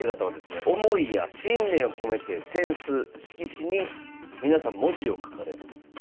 思いや信念を込めて扇子色紙に皆さん文字を書かれます。